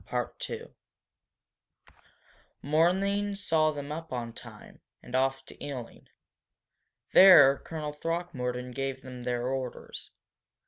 "Good night, Dick!" Morning saw them up on time, and off to Ealing. There Colonel Throckmorton gave them their orders.